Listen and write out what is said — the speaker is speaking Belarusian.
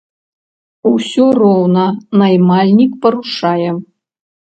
Усё роўна наймальнік парушае.